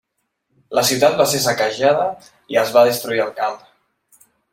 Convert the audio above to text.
La ciutat va ser saquejada i es va destruir el camp.